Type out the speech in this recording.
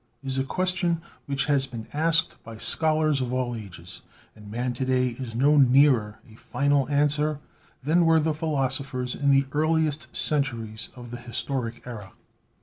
is a question which has been asked by the scholars of all ages and man to day is no nearer a final answer than were the philosophers in the earliest centuries of the historic era.